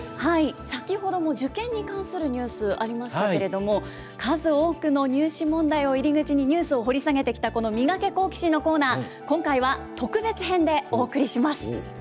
先ほども受験に関するニュースありましたけれども、数多くの入試問題を入り口にニュースを掘り下げてきた、このミガケ、好奇心！のコーナー、今回は特別編でお送りします。